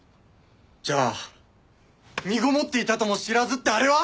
じゃあ「身ごもっていたとも知らず」ってあれは？